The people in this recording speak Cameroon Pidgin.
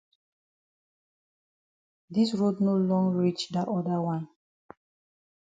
Dis road no long reach dat oda wan.